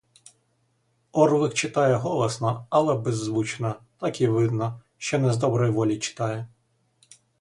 Орлик читає голосно, але беззвучно, так і видно, що не з доброї волі читає.